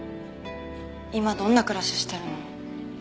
今どんな暮らししてるの？